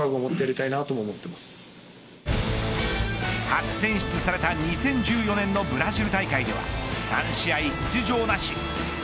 初選出された２０１４年のブラジル大会では３試合出場なし。